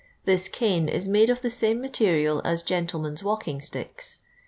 This cane is made of the same material as gentlemen's walking sticks.